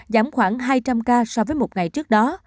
giảm khoảng hai trăm linh ca so với một ngày trước đó